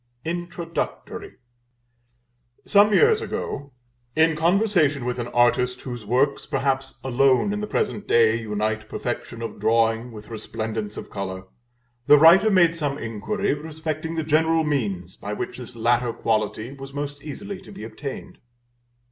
INTRODUCTORY. Some years ago, in conversation with an artist whose works, perhaps, alone, in the present day, unite perfection of drawing with resplendence of color, the writer made some inquiry respecting the general means by which this latter quality was most easily to be attained.